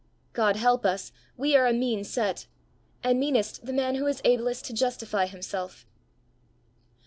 God help us! we are a mean set and meanest the man who is ablest to justify himself!